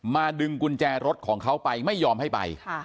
ดึงกุญแจรถของเขาไปไม่ยอมให้ไป